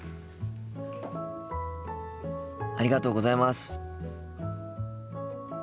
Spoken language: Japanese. ありがとうございます。